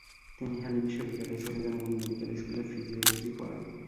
তিনি হ্যালি বিশ্ববিদ্যালয়ে চলে যান এবং মেডিকেল স্কুলে ফিজিওলজি পড়ান।